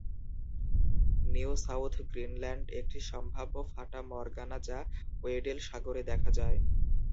New South Greenland, একটি সম্ভাব্য fata morgana যা ওয়েডেল সাগরে দেখা যায়।